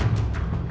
beribut ke tee